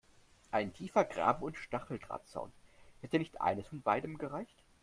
Ein tiefer Graben und Stacheldrahtzaun – hätte nicht eines von beidem gereicht?